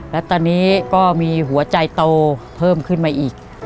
และตอนนี้ก็มีหัวใจโตเพิ่มขึ้นมาอีก